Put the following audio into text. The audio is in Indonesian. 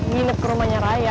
ginep ke rumahnya raya